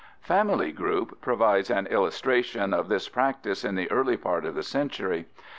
Family Group (fig. 1) provides an illustration of this practice in the early part of the century.